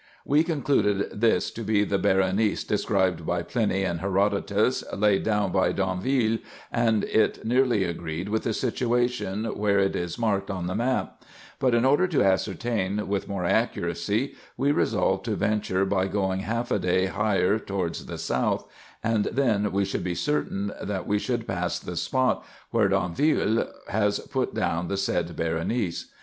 We concluded this to be the Berenice described by Pliny and Herodotus, laid down by D'Anville, and it nearly agreed with the situation where it is marked on the map ; but in order to ascertain with more accuracy, we resolved to venture by going half a day higher towards the south, and then we should be certain that we shoidd pass the spot where D'Anville has put down the said Berenice.